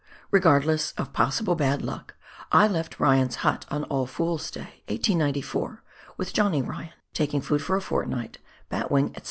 Regardless of possible bad luck, I left Ryan's hut on All Fools' Day, 1894, with Johnny Ryan, taking food for a fort night, batwing, &c.